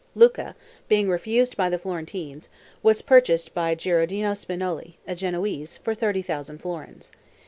Lucca, being refused by the Florentines, was purchased by Gherardino Spinoli, a Genoese, for 30,000 florins.